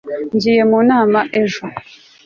nagiye mu nama ejo